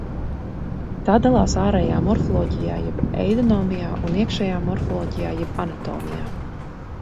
Tā dalās ārējā morfoloģijā jeb eidonomijā un iekšējā morfoloģijā jeb anatomijā.